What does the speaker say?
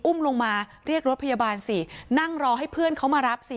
ลงมาเรียกรถพยาบาลสินั่งรอให้เพื่อนเขามารับสิ